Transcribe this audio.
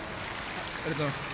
ありがとうございます。